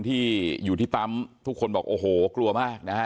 ที่อยู่ที่ปั๊มทุกคนบอกโอ้โหกลัวมากนะฮะ